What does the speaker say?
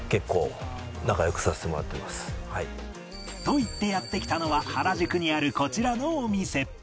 と言ってやって来たのは原宿にあるこちらのお店